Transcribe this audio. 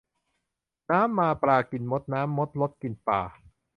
น้ำมาปลากินมด น้ำลดมดกินปลา